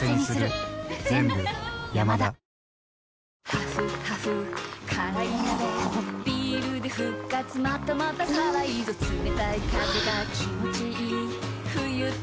ハフハフ辛い鍋ビールで復活またまた辛いぞ冷たい風が気持ちいい冬って最高だ